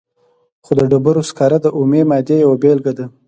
خو د ډبرو سکاره د اومې مادې یوه بیلګه ده.